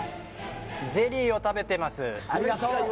ゼリーを食べています。